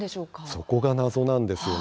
そこが謎なんですよね。